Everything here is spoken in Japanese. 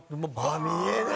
見えない。